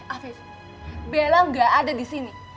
afif bella gak ada disini